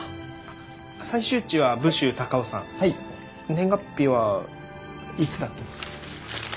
年月日はいつだっけ？